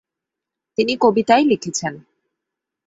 তিনি কবিতায় লিখেছেন।